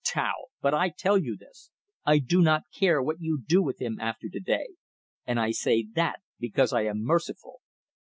Tau? But I tell you this: I do not care what you do with him after to day. And I say that because I am merciful."